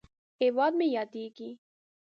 هیواد مې ياديږي